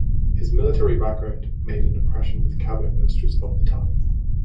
His military background made an impression with cabinet ministers of the time.